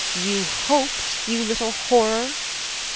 "You hoped, you little horror